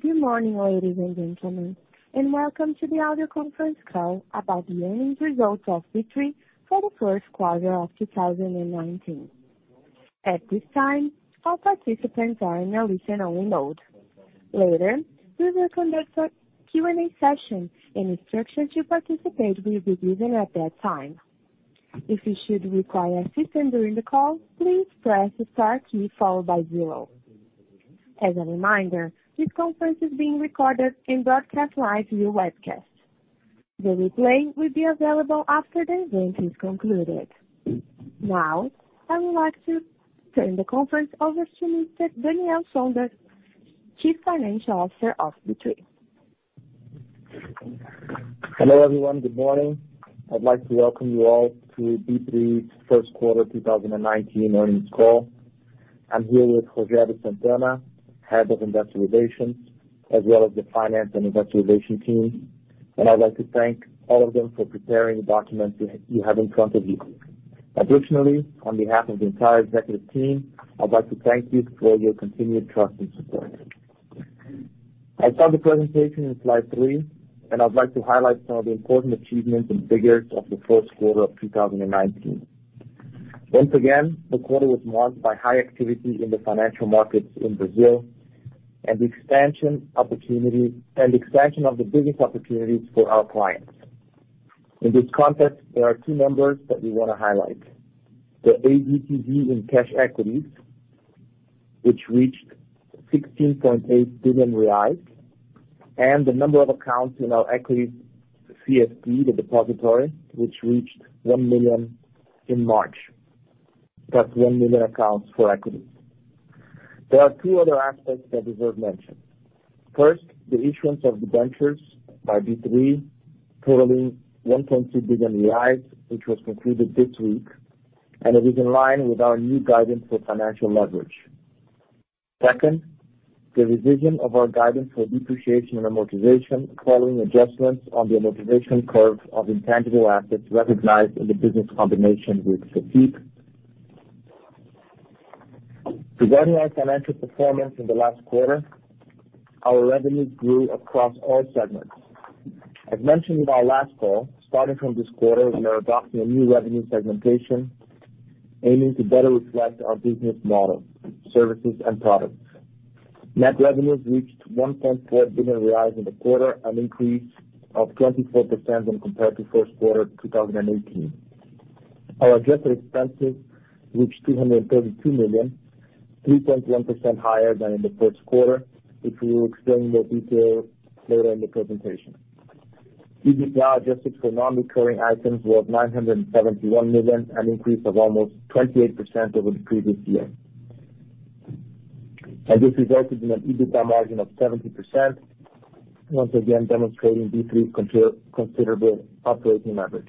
Good morning, ladies and gentlemen, welcome to the audio conference call about the earnings results of B3 for the first quarter of 2019. At this time, all participants are in a listen-only mode. Later, we will conduct a Q&A session, instructions to participate will be given at that time. If you should require assistance during the call, please press the star key followed by zero. As a reminder, this conference is being recorded and broadcast live via webcast. The replay will be available after the event is concluded. I would like to turn the conference over to Mr. Daniel Sonder, Chief Financial Officer of B3. Hello, everyone. Good morning. I'd like to welcome you all to B3's first quarter 2019 earnings call. I'm here with Rogério Santana, Head of Investor Relations, as well as the finance and investor relations team, and I'd like to thank all of them for preparing the documents you have in front of you. Additionally, on behalf of the entire executive team, I'd like to thank you for your continued trust and support. I start the presentation on slide three, and I'd like to highlight some of the important achievements and figures of the first quarter of 2019. Once again, the quarter was marked by high activity in the financial markets in Brazil and the expansion of the business opportunities for our clients. In this context, there are two numbers that we want to highlight. The ADTV in cash equities, which reached 16.8 billion reais, and the number of accounts in our equity CSD, the depository, which reached 1 million in March. That's 1 million accounts for equities. There are two other aspects that deserve mention. First, the issuance of the ventures by B3 totaling 1.2 billion, which was concluded this week, and it is in line with our new guidance for financial leverage. Second, the revision of our guidance for depreciation and amortization, following adjustments on the amortization curve of intangible assets recognized in the business combination with Cetip. Regarding our financial performance in the last quarter, our revenues grew across all segments. As mentioned in our last call, starting from this quarter, we are adopting a new revenue segmentation aiming to better reflect our business model, services and products. Net revenues reached 1.4 billion reais in the quarter, an increase of 24% when compared to first quarter 2018. Our adjusted expenses reached 232 million, 3.1% higher than in the first quarter, which we will explain in more detail later in the presentation. EBITDA, adjusted for non-recurring items, was 971 million, an increase of almost 28% over the previous year. This resulted in an EBITDA margin of 70%, once again demonstrating B3's considerable operating leverage.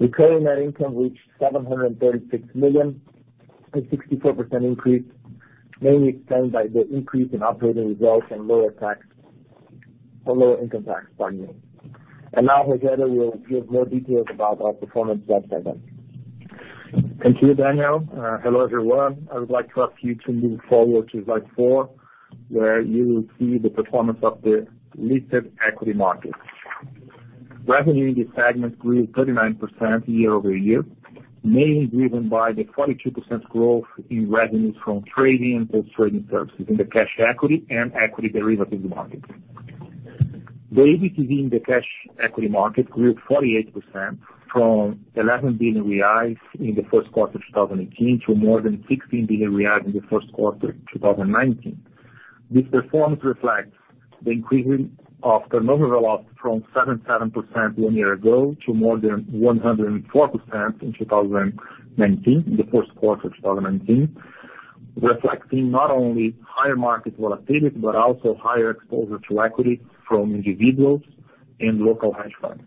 Recurring net income reached 736 million, a 64% increase, mainly explained by the increase in operating results and lower income tax payments. Rogério will give more details about our performance by segment. Thank you, Daniel. Hello, everyone. I would like to ask you to move forward to slide four, where you will see the performance of the listed equity market. Revenue in this segment grew 39% year-over-year, mainly driven by the 42% growth in revenues from trading and post-trading services in the cash equity and equity derivatives markets. The ADTV in the cash equity market grew 48%, from 11 billion reais in the first quarter of 2018 to more than 16 billion reais in the first quarter of 2019. This performance reflects the increase in after-hours volume from 77% one year ago to more than 104% in the first quarter of 2019, reflecting not only higher market volatility but also higher exposure to equity from individuals and local hedge funds.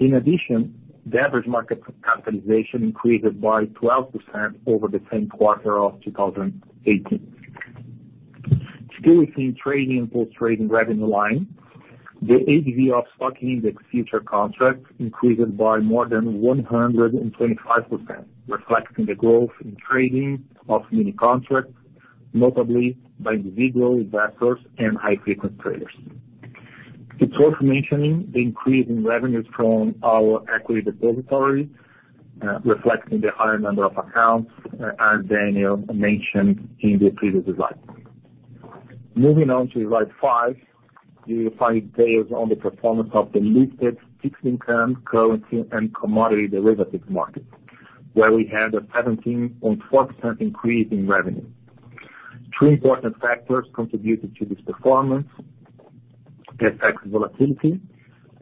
In addition, the average market capitalization increased by 12% over the same quarter of 2018. Still within trading and post-trading revenue line, the ADV of stock index future contracts increased by more than 125%, reflecting the growth in trading of mini-contracts, notably by individual investors and high-frequency traders. It is worth mentioning the increase in revenues from our equity depository, reflecting the higher number of accounts, as Daniel mentioned in the previous slide. Moving on to slide five, you will find data on the performance of the listed fixed income, currency, and commodity derivatives markets, where we had a 17.4% increase in revenue. Two important factors contributed to this performance. The FX volatility,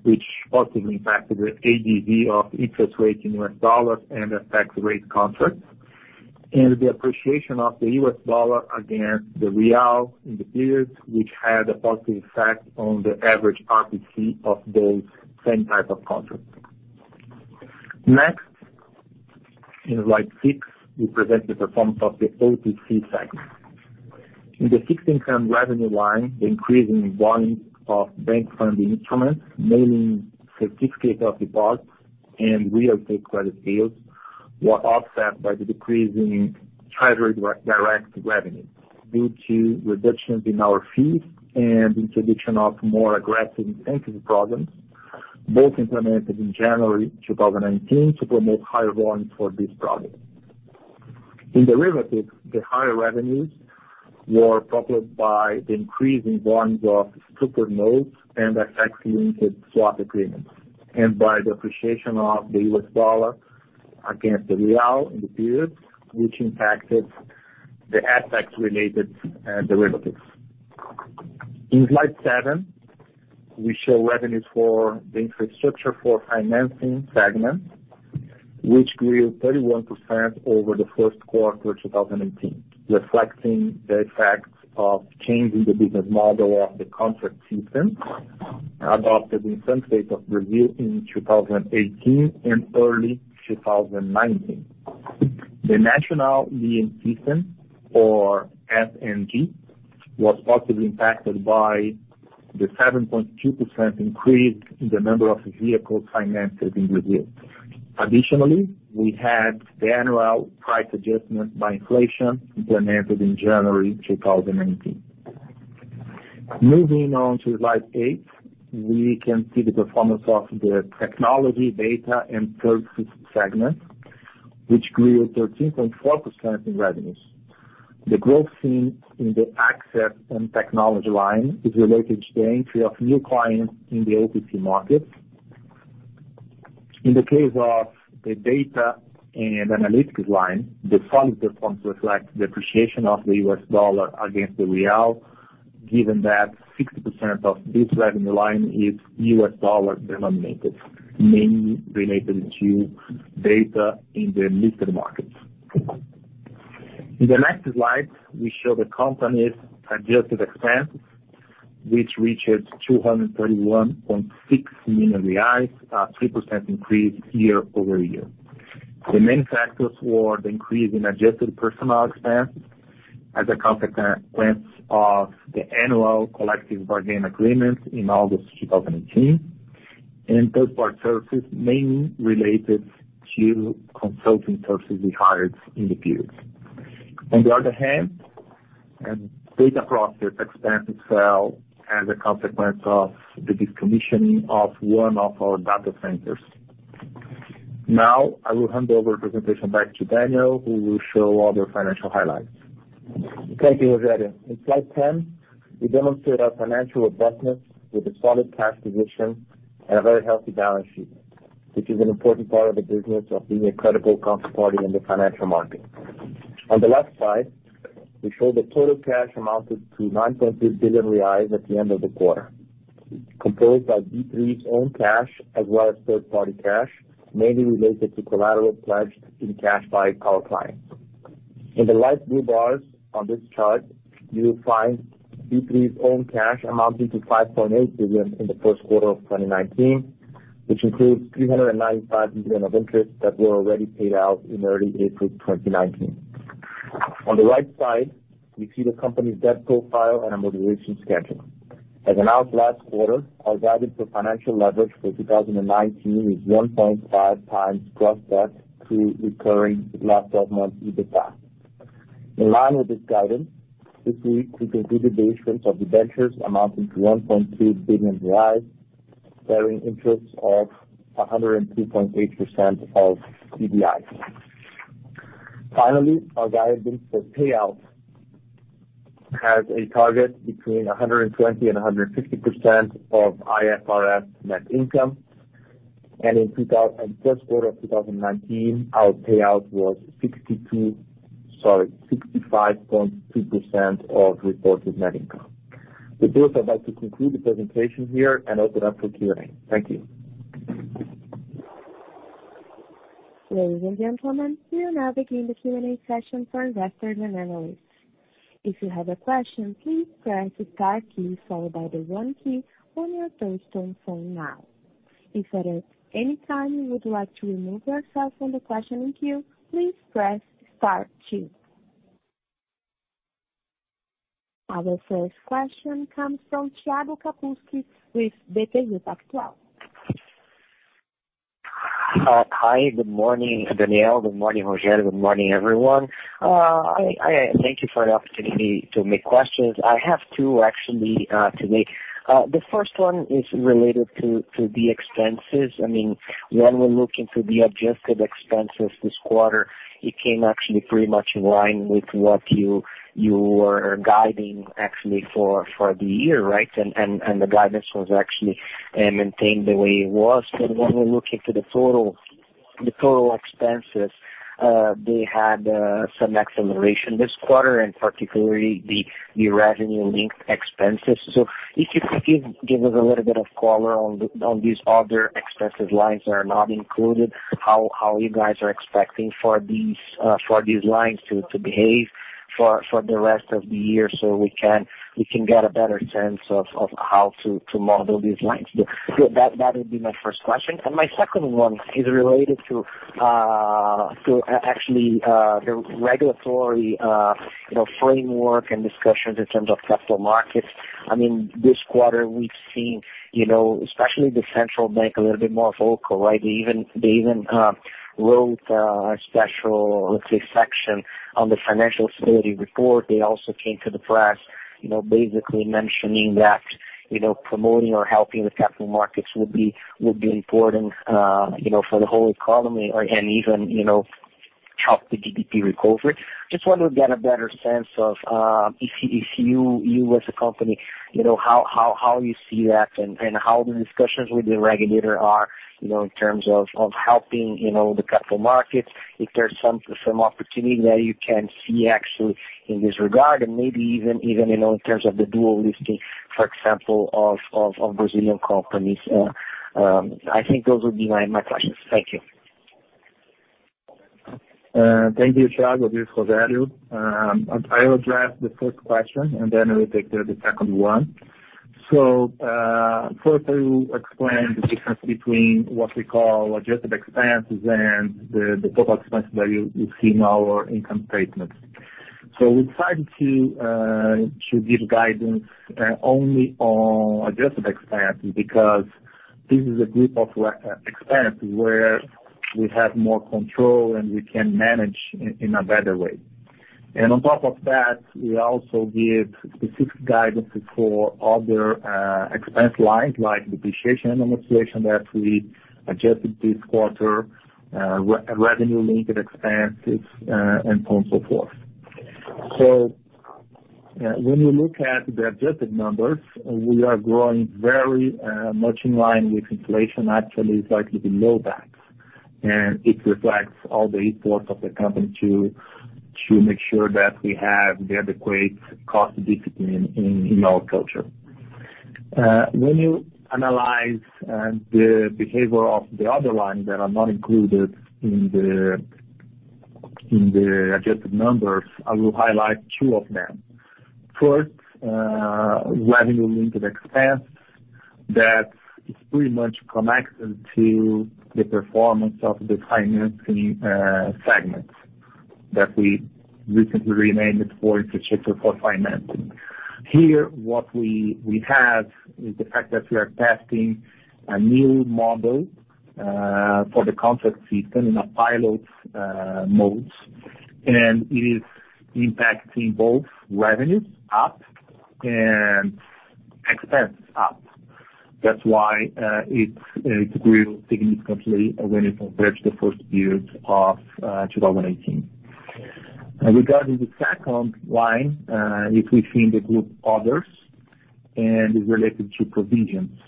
which positively impacted the ADV of interest rates in US dollars and FX rate contracts, and the appreciation of the US dollar against the real in the period, which had a positive effect on the average RPC of those same type of contracts. Next, in slide six, we present the performance of the OTC segment. In the fixed income revenue line, the increase in volume of bank funding instruments, mainly Certificates of Deposit and Letra de Crédito Imobiliário, were offset by the decrease in Tesouro Direto revenue due to reductions in our fees and introduction of more aggressive incentive programs, both implemented in January 2019 to promote higher volumes for this product. In derivatives, the higher revenues were propelled by the increase in volumes of structured notes and asset-linked swap agreements, and by the appreciation of the US dollar against the real in the period, which impacted the asset-related derivatives. In slide seven, we show revenues for the infrastructure for financing segment, which grew 31% over the first quarter 2019, reflecting the effects of changing the business model of the Contract System adopted in some states of Brazil in 2018 and early 2019. The national leasing system, or SNG, was positively impacted by the 7.2% increase in the number of vehicles financed in Brazil. Additionally, we had the annual price adjustment by inflation implemented in January 2019. Moving on to slide eight, we can see the performance of the technology data and services segment, which grew 13.4% in revenues. The growth seen in the access and technology line is related to the entry of new clients in the OTC markets. In the case of the data and analytics line, the solid performance reflects depreciation of the US dollar against the real, given that 60% of this revenue line is US dollar denominated, mainly related to data in the listed markets. In the next slide, we show the company's adjusted expense, which reaches 231.6 million reais, a 3% increase year-over-year. The main factors were the increase in adjusted personnel expenses as a consequence of the annual collective bargaining agreement in August 2018, and third-party services mainly related to consulting services we hired in the period. On the other hand, data processing expenses fell as a consequence of the decommissioning of one of our data centers. I will hand over the presentation back to Daniel, who will show other financial highlights. Thank you, Rogério. In slide 10, we demonstrate our financial robustness with a solid cash position and a very healthy balance sheet, which is an important part of the business of being a credible counterparty in the financial market. On the left side, we show the total cash amounted to 9.3 billion reais at the end of the quarter, composed by B3's own cash, as well as third-party cash, mainly related to collateral pledged in cash by our clients. In the light blue bars on this chart, you will find B3's own cash amounting to 5.8 billion in the first quarter of 2019, which includes 395 million of interest that were already paid out in early April 2019. On the right side, we see the company's debt profile and a maturation schedule. As announced last quarter, our guidance for financial leverage for 2019 is 1.5 times gross debt to recurring last 12 months EBITDA. In line with this guidance, this week we completed the issuance of debentures amounting to 1.2 billion reais, bearing interests of 102.8% of CDI. Our guidance for payout has a target between 120% and 150% of IFRS net income. In first quarter of 2019, our payout was 65.2% of reported net income. With this, I'd like to conclude the presentation here and open up for Q&A. Thank you. Ladies and gentlemen, we will now begin the Q&A session for investors and analysts. If you have a question, please press the star key followed by the one key on your telephone phone now. If at any time you would like to remove yourself from the questioning queue, please press star two. Our first question comes from Thiago Batista with BTG Pactual. Hi, good morning, Daniel Sonder. Good morning, Rogério Santana. Good morning, everyone. Thank you for the opportunity to make questions. I have two actually to make. The first one is related to the expenses. When we look into the adjusted expenses this quarter, it came actually pretty much in line with what you were guiding actually for the year, right? The guidance was actually maintained the way it was. When we look into the total expenses, they had some acceleration this quarter, and particularly the revenue-linked expenses. If you could give us a little bit of color on these other expenses lines that are not included, how you guys are expecting for these lines to behave for the rest of the year so we can get a better sense of how to model these lines. That would be my first question. My second one is related to actually the regulatory framework and discussions in terms of capital markets. This quarter, we've seen, especially the central bank, a little bit more vocal, right? They even wrote a special, let's say, section on the financial stability report. They also came to the press, basically mentioning that promoting or helping the capital markets would be important for the whole economy and even help the GDP recovery. Just wanted to get a better sense of, if you as a company, how you see that and how the discussions with the regulator are in terms of helping the capital markets, if there's some opportunity that you can see actually in this regard and maybe even in terms of the dual listing, for example, of Brazilian companies. I think those would be my questions. Thank you. Thank you, Thiago Batista. This is Rogério Santana. I will address the first question, then I will take the second one. First, I will explain the difference between what we call adjusted expenses and the total expenses that you see in our income statements. We decided to give guidance only on adjusted expenses because this is a group of expenses where we have more control and we can manage in a better way. On top of that, we also give specific guidances for other expense lines, like depreciation and amortization that we adjusted this quarter, revenue-linked expenses, and so on, so forth. When you look at the adjusted numbers, we are growing very much in line with inflation. Actually, slightly below that. It reflects all the efforts of the company to make sure that we have the adequate cost discipline in our culture. When you analyze the behavior of the other lines that are not included in the adjusted numbers, I will highlight two of them. First, revenue-linked expense, that is pretty much connected to the performance of the financing segments that we recently renamed it for, infrastructure for financing. Here, what we have is the fact that we are testing a new model for the Contract System in a pilot mode. It is impacting both revenues up and expenses up. That's why it grew significantly when you compare to the first years of 2018. Regarding the second line, if we see in the group others, and is related to provisions.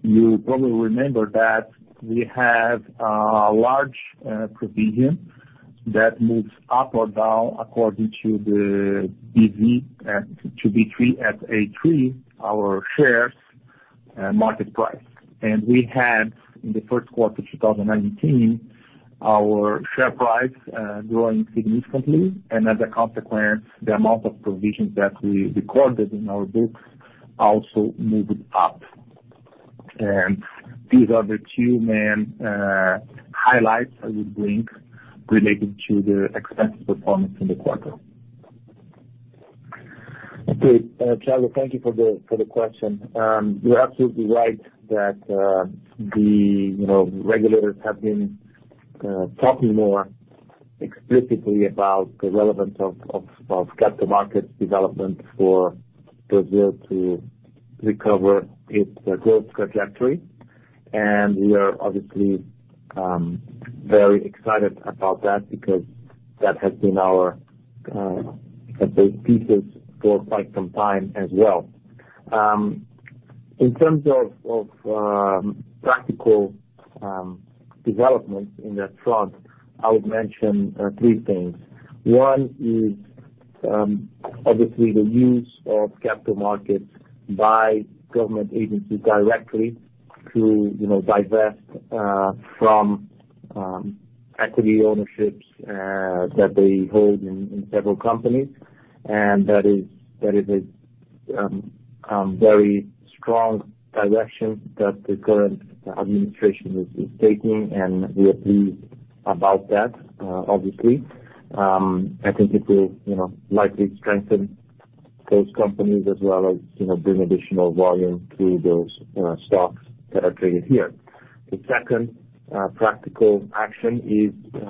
You probably remember that we have a large provision that moves up or down according to the B3SA3, our shares market price. We had, in the first quarter 2019, our share price growing significantly, and as a consequence, the amount of provisions that we recorded in our books also moved up. These are the two main highlights I would bring related to the expense performance in the quarter. Thiago, thank you for the question. You are absolutely right that the regulators have been talking more explicitly about the relevance of capital markets development for Brazil to recover its growth trajectory. We are obviously very excited about that because that has been our set base pieces for quite some time as well. In terms of practical developments in that front, I would mention three things. One is obviously the use of capital markets by government agencies directly to divest from equity ownerships that they hold in several companies. That is a very strong direction that the current administration is taking, and we are pleased about that, obviously. I think it will likely strengthen those companies as well as bring additional volume to those stocks that are traded here. The second practical action is,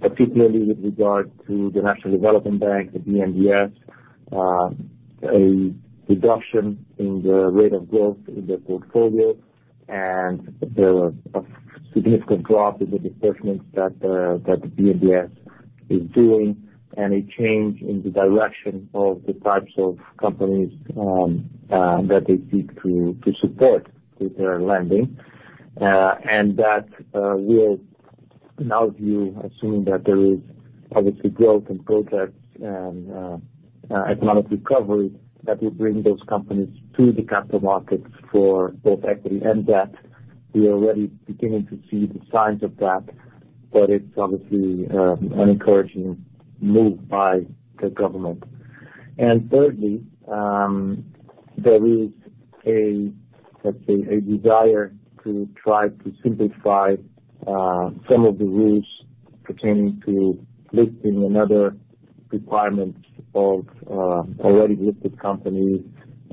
particularly with regard to the National Development Bank, the BNDES, a reduction in the rate of growth in their portfolio and there was a significant drop in the disbursements that the BNDES is doing and a change in the direction of the types of companies that they seek to support with their lending. That will now view, assuming that there is obviously growth and projects and economic recovery that will bring those companies to the capital markets for both equity and debt. We are already beginning to see the signs of that, but it's obviously an encouraging move by the government. Thirdly, there is, let's say, a desire to try to simplify some of the rules pertaining to listing and other requirements of already listed companies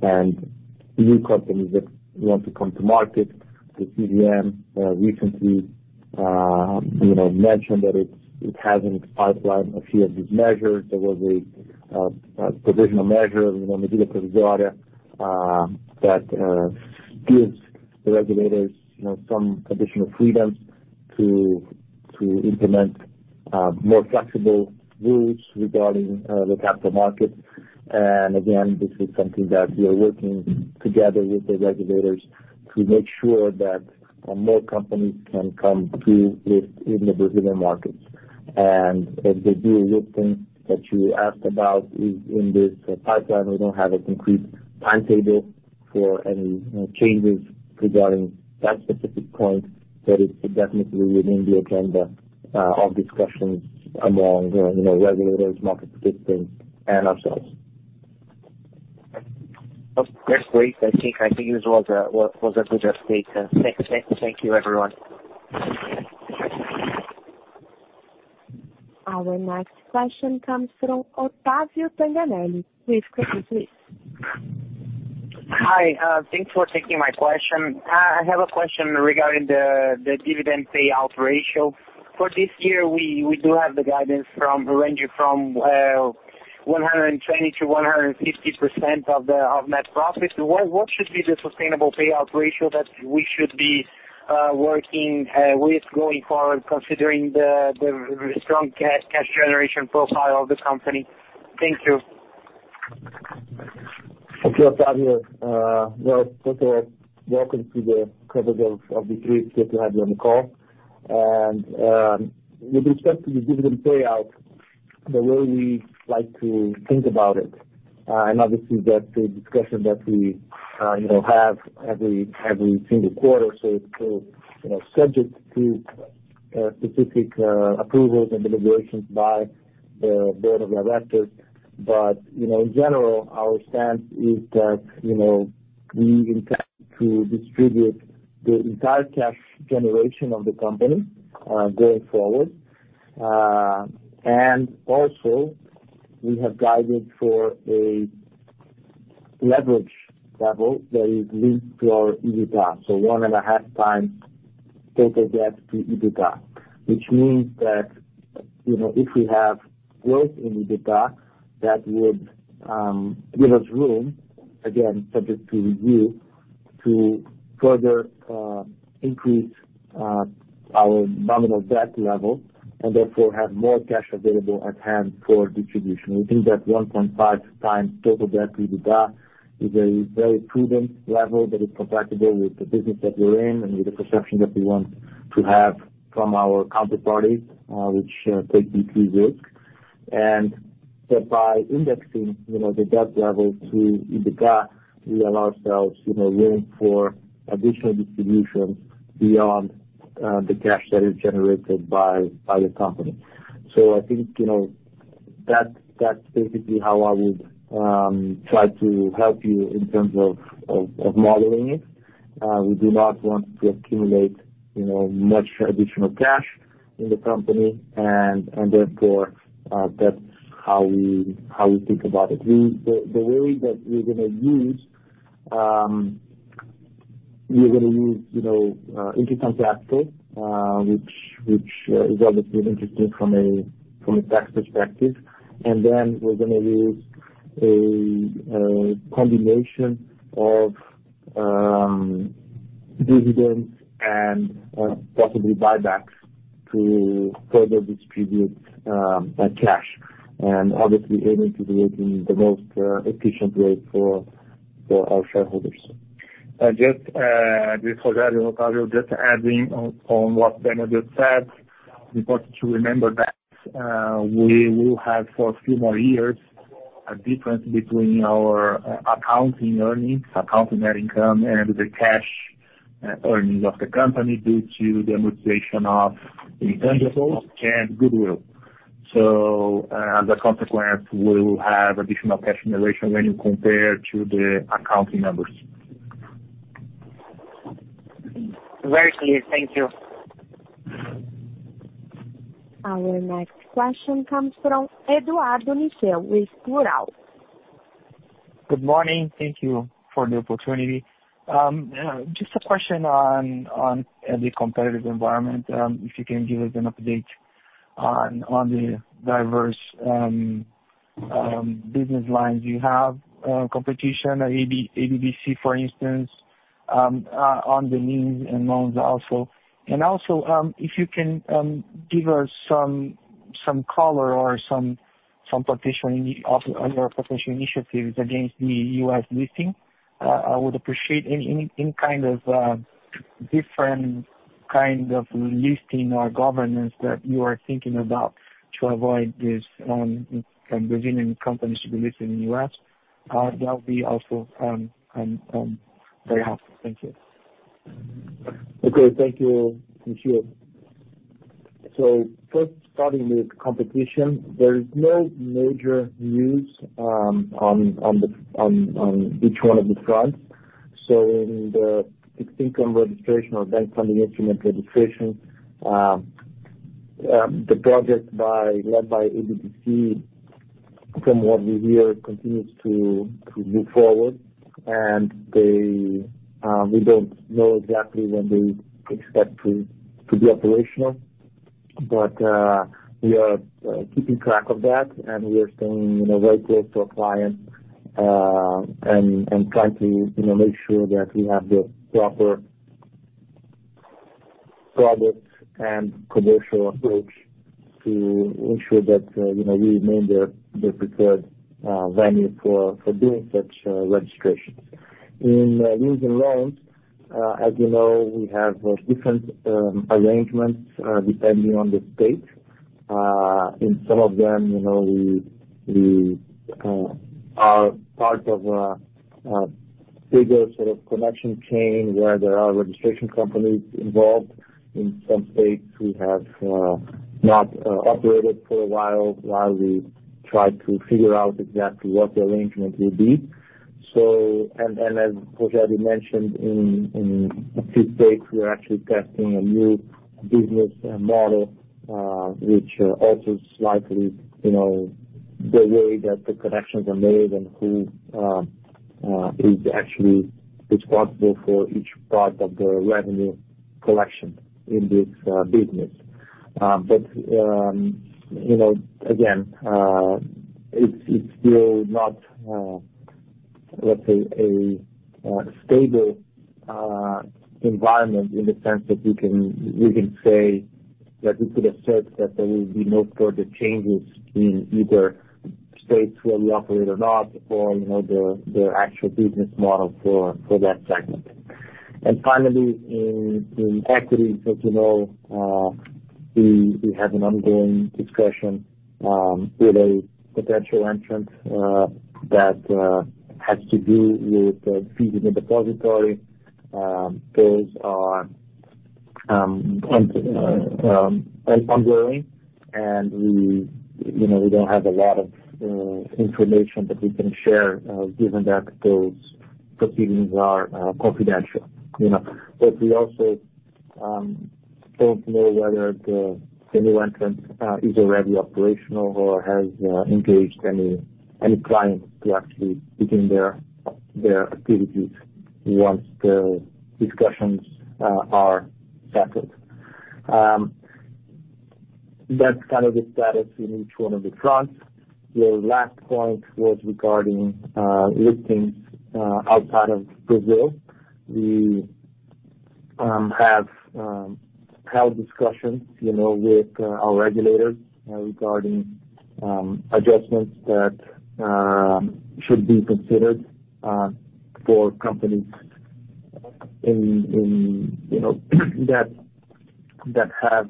and new companies that want to come to market. The CVM recently mentioned that it has in its pipeline a few of these measures. There was a provisional measure, the Medida Provisória, that gives the regulators some additional freedom to implement more flexible rules regarding the capital market. Again, this is something that we are working together with the regulators to make sure that more companies can come to list in the Brazilian markets. If the delisting that you asked about is in this pipeline, we don't have a concrete timetable for any changes regarding that specific point. It's definitely within the agenda of discussions among regulators, market participants, and ourselves. That's great. I think it was a good update. Thank you, everyone. Our next question comes from Otavio Tanganelli with Credit Suisse. Hi. Thanks for taking my question. I have a question regarding the dividend payout ratio. For this year, we do have the guidance ranging from 120% to 150% of net profit. What should be the sustainable payout ratio that we should be working with going forward, considering the strong cash generation profile of the company? Thank you. Thank you, Otavio. First of all, welcome to the coverage of the three of us. Good to have you on the call. With respect to the dividend payout, the way we like to think about it, obviously that's a discussion that we have every single quarter, so it's still subject to specific approvals and deliberations by the board of directors. In general, our stance is that we intend to distribute the entire cash generation of the company, going forward. Also, we have guided for a leverage level that is linked to our EBITDA, so 1.5 times total debt to EBITDA. Which means that if we have growth in EBITDA, that would give us room, again, subject to review, to further increase our nominal debt level and therefore have more cash available at hand for distribution. We think that 1.5 times total debt to EBITDA is a very prudent level that is compatible with the business that we're in and with the perception that we want to have from our counterparties, which take it serious. That by indexing the debt level to EBITDA, we allow ourselves room for additional distribution beyond the cash that is generated by the company. I think that's basically how I would try to help you in terms of modeling it. We do not want to accumulate much additional cash in the company, therefore, that's how we think about it. The way that we're going to use interest on capital, which is obviously interesting from a tax perspective. We're going to use a combination of dividends and possibly buybacks to further distribute that cash, and obviously aiming to do it in the most efficient way for our shareholders. This is Rogério. Just to add in on what Daniel said, it's important to remember that we will have, for a few more years, a difference between our accounting earnings, accounting net income, and the cash earnings of the company due to the amortization of intangibles and goodwill. As a consequence, we will have additional cash generation when you compare to the accounting numbers. Very clear. Thank you. Our next question comes from Eduardo Nishio with Plural. Good morning. Thank you for the opportunity. Just a question on the competitive environment. If you can give us an update on the diverse business lines you have, competition, ABBC, for instance, on the means and loans also. If you can give us some color on your potential initiatives against the U.S. listing. I would appreciate any different kind of listing or governance that you are thinking about to avoid this Brazilian companies to be listed in the U.S. That would be also very helpful. Thank you. Okay. Thank you. First, starting with competition, there is no major news on each one of the fronts. In the fixed income registration or bank funding instrument registration, the project led by ABBC, from what we hear, continues to move forward. We don't know exactly when they expect to be operational. We are keeping track of that, and we are staying very close to our clients and trying to make sure that we have the proper products and commercial approach to ensure that we remain the preferred venue for doing such registrations. In loans, as you know, we have different arrangements depending on the state. In some of them, we are part of a bigger sort of connection chain where there are registration companies involved. In some states, we have not operated for a while we try to figure out exactly what the arrangement will be. As Rogério already mentioned, in a few states, we are actually testing a new business model which alters slightly the way that the collections are made and who is actually responsible for each part of the revenue collection in this business. Again, it's still not, let's say, a stable environment in the sense that we can say that we could assert that there will be no further changes in either states where we operate or not or the actual business model for that segment. Finally, in equity, as you know, we have an ongoing discussion with a potential entrant that has to do with fees in the depository. Those are ongoing, and we don't have a lot of information that we can share given that those proceedings are confidential. We also don't know whether the new entrant is already operational or has engaged any clients to actually begin their activities once the discussions are settled. That's kind of the status in each one of the fronts. Your last point was regarding listings outside of Brazil. We have held discussions with our regulators regarding adjustments that should be considered for companies that have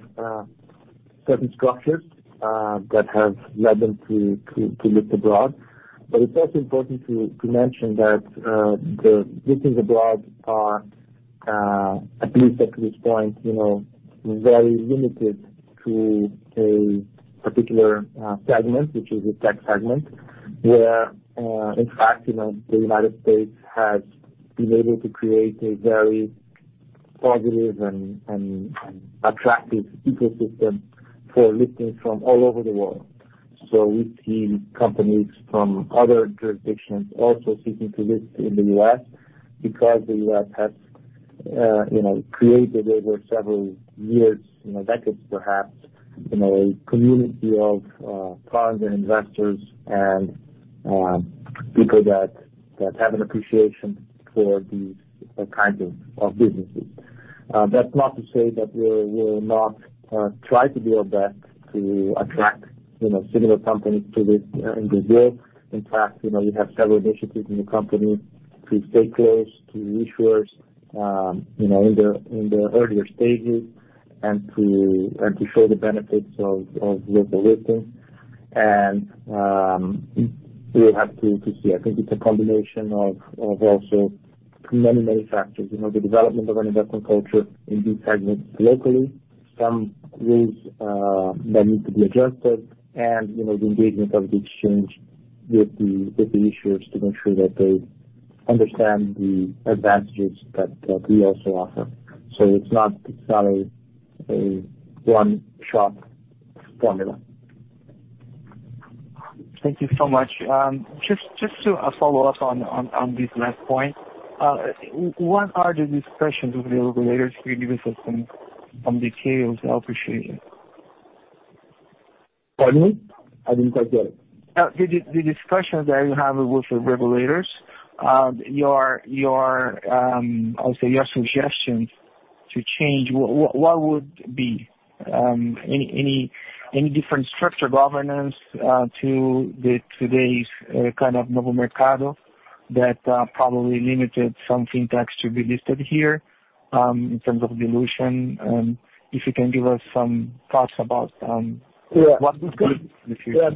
certain structures that have led them to look abroad. It's also important to mention that the listings abroad are, at least at this point, very limited to a particular segment, which is the tech segment, where, in fact, the United States has been able to create a very positive and attractive ecosystem for listings from all over the world. We see companies from other jurisdictions also seeking to list in the U.S. because the U.S. has created over several years, decades perhaps, a community of funds and investors and people that have an appreciation for these kinds of businesses. That's not to say that we will not try to do our best to attract similar companies to list in Brazil. In fact, we have several initiatives in the company to stay close to issuers in the earlier stages and to show the benefits of local listings. We will have to see. I think it's a combination of also many factors. The development of an investment culture in these segments locally, some rules that need to be adjusted, and the engagement of the exchange with the issuers to make sure that they understand the advantages that we also offer. It's not a one-shop formula. Thank you so much. Just to follow up on this last point. What are the discussions with the regulators? Can you give us some details? I appreciate it. Pardon me? I didn't quite get it. The discussions that you have with the regulators, I'll say your suggestions to change, what would be any different structure governance to today's kind of Novo Mercado that probably limited some fintechs to be listed here in terms of dilution? If you can give us some thoughts about what could be the future.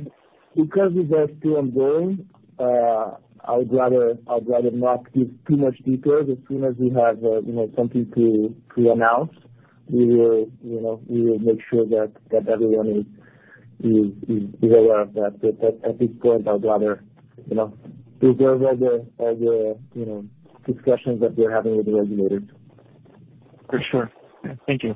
Because it is still ongoing, I would rather not give too much details. As soon as we have something to announce, we will make sure that everyone is aware of that. At this point, I'd rather reserve all the discussions that we're having with the regulators. For sure. Thank you.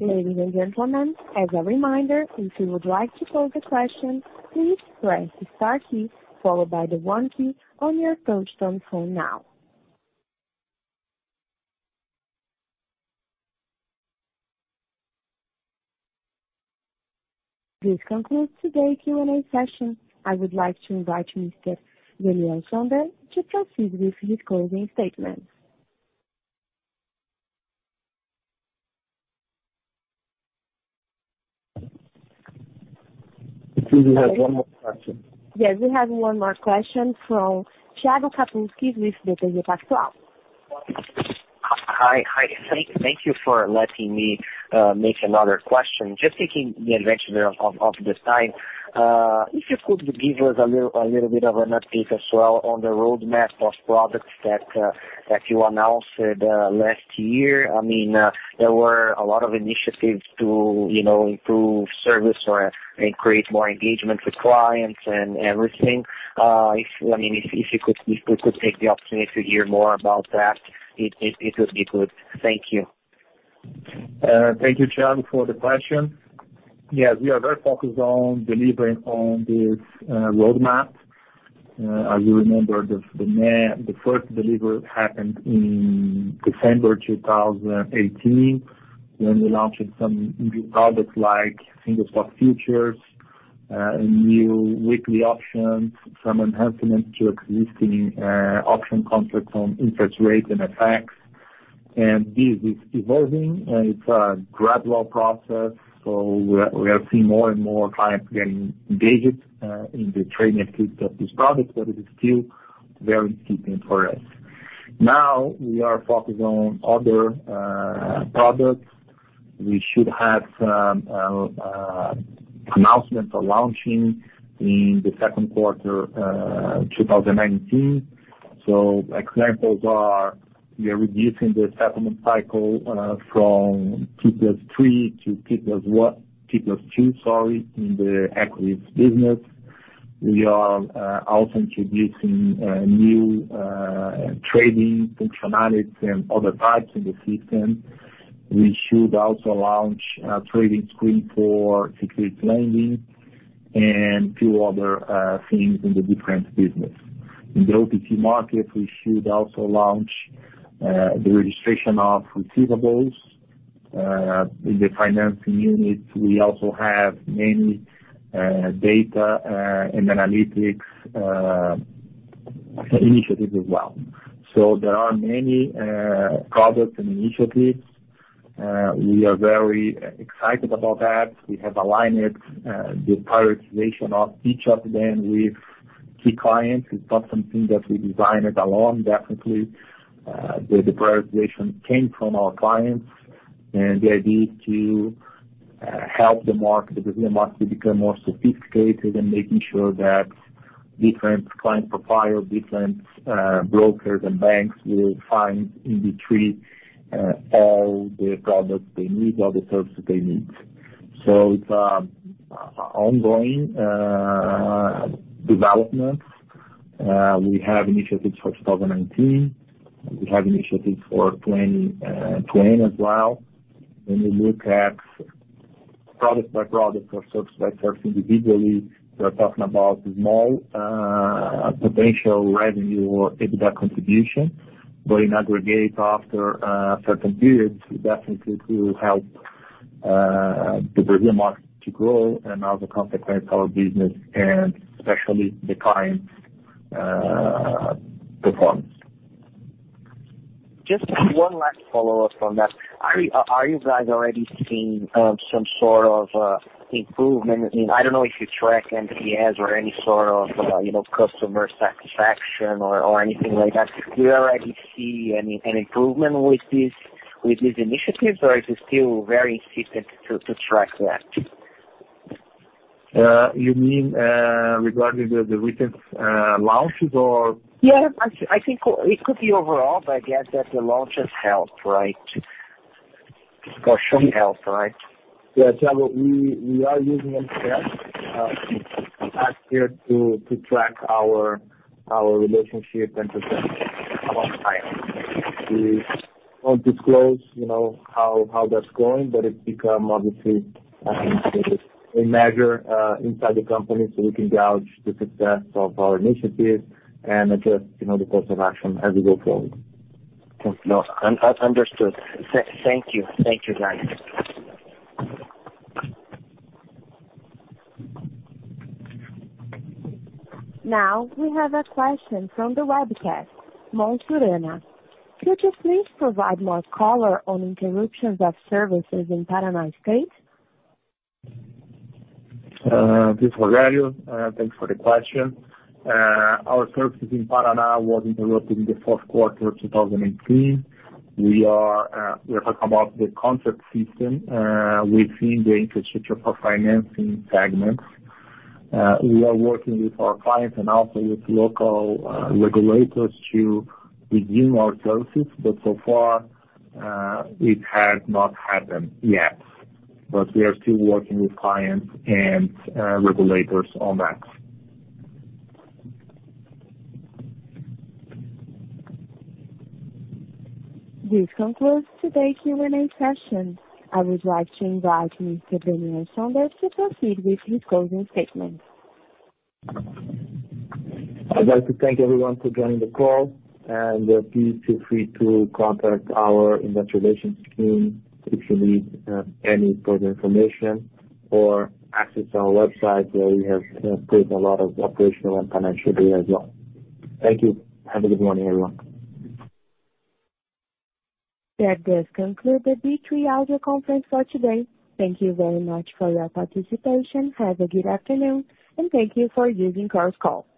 Ladies and gentlemen, as a reminder, if you would like to pose a question, please press the star key followed by the one key on your touch-tone phone now. This concludes today's Q&A session. I would like to invite Mr. Rogério Santana to proceed with his closing statement. It seems we have one more question. Yes, we have one more question from Thiago [Batista] with BTG Pactual. Hi. Thank you for letting me ask another question. Just taking advantage of this time, if you could give us a little bit of an update as well on the roadmap of products that you announced last year. There were a lot of initiatives to improve service and create more engagement with clients and everything. If we could take the opportunity to hear more about that, it would be good. Thank you. Thank you, Thiago, for the question. We are very focused on delivering on this roadmap. As you remember, the first delivery happened in December 2018 when we launched some new products like single stock futures, new weekly options, some enhancements to existing options contracts on interest rates and FX. This is evolving, and it's a gradual process. We are seeing more and more clients getting engaged in the trading of these products, but it is still very key for us. Now we are focused on other products. We should have some announcements for launching in the second quarter 2019. Examples are we are reducing the settlement cycle from T+3 to T+2, sorry, in the equities business. We are also introducing new trading functionalities and other types in the system. We should also launch a trading screen for securities lending and two other things in the different business. In the OTC market, we should also launch the registration of receivables. In the financing unit, we also have many data and analytics initiatives as well. There are many products and initiatives. We are very excited about that. We have aligned the prioritization of each of them with key clients. It's not something that we designed alone, definitely. The prioritization came from our clients, and the idea is to help the market, the Brazilian market, become more sophisticated in making sure that different client profiles, different brokers, and banks will find in B3 all the products they need or the services they need. It's an ongoing development. We have initiatives for 2019. We have initiatives for 2020 as well. When we look at product by product or service by service individually, we're talking about small potential revenue or EBITDA contribution. In aggregate, after a certain period, definitely to help the Brazilian market to grow and as a consequence, our business and especially the client performance. Just one last follow-up on that. Are you guys already seeing some sort of improvement? I don't know if you track NPS or any sort of customer satisfaction or anything like that. Do you already see an improvement with these initiatives, or is it still very incipient to track that? You mean regarding the recent launches or? Yes. I think it could be overall, but I guess that the launches helped, right? It should help, right? Yeah, Thiago, we are using NPS as here to track our relationship and success among clients. We won't disclose how that's going, but it's become, obviously, a measure inside the company. We can gauge the success of our initiatives and adjust the course of action as we go forward. Understood. Thank you. Thank you, guys. We have a question from the webcast, [Monsurena]. Could you please provide more color on interruptions of services in Paraná State? This is Rogério. Thanks for the question. Our services in Paraná were interrupted in the fourth quarter of 2018. We are talking about the Contract System within the infrastructure for financing segments. We are working with our clients and also with local regulators to resume our services, so far, it has not happened yet. We are still working with clients and regulators on that. This concludes today's Q&A session. I would like to invite Mr. Rogério Santana to proceed with his closing statement. I'd like to thank everyone for joining the call. Please feel free to contact our investor relations team if you need any further information or access our website where we have put a lot of operational and financial data as well. Thank you. Have a good morning, everyone. That does conclude the B3 audio conference for today. Thank you very much for your participation. Have a good afternoon. Thank you for using Chorus Call.